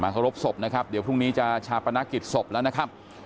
มาเขารบสบนะครับเดี่ยวพรุ่งนี้จะฉาปนักกิจสบแล้วนะครับ